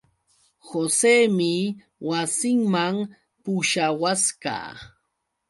Joseemi wasinman pushawasqa.